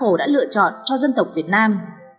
họ đã lựa chọn cho dân tộc việt nam